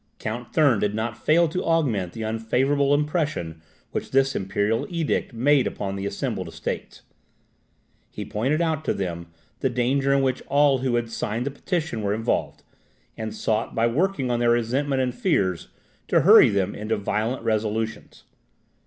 Count Thurn did not fail to augment the unfavourable impression which this imperial edict made upon the assembled Estates. He pointed out to them the danger in which all who had signed the petition were involved, and sought by working on their resentment and fears to hurry them into violent resolutions.